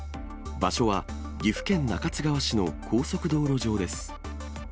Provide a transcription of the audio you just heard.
場所は岐阜県中津川市の高速道路上です。